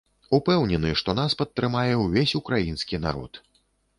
Упэўнены, што нас падтрымае ўвесь украінскі народ.